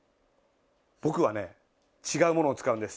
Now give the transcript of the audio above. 僕はね違うものを使うんです。